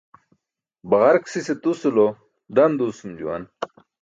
Baġark sise tusu lo dan duusum juwan.